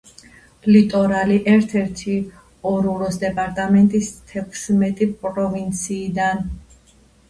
ლიტორალი ერთ-ერთია ორუროს დეპარტამენტის თექვსმეტი პროვინციიდან.